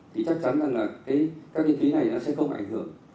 thì chắc chắn rằng là các cái phí này nó sẽ không ảnh hưởng